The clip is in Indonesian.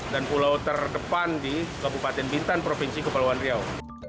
dan pulau terdepan di kabupaten bintan provinsi kepulauan riau